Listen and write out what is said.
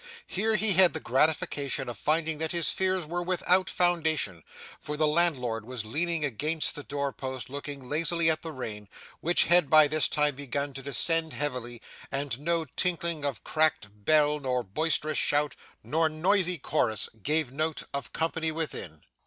Here he had the gratification of finding that his fears were without foundation, for the landlord was leaning against the door post looking lazily at the rain, which had by this time begun to descend heavily, and no tinkling of cracked bell, nor boisterous shout, nor noisy chorus, gave note of company within.